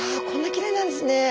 こんなきれいなんですね！